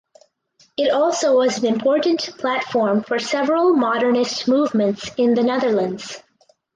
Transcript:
It also was an important platform for several modernist movements in the Netherlands.